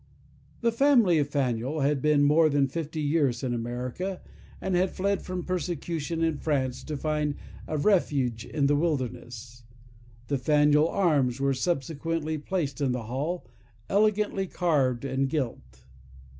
The family of Faneuil had been more than fifty years in America, and had fled from persecution in France to find a refuge in the wilderness. The Faneuil arms were subsequently placed in the hall, elegantly carved and gilt.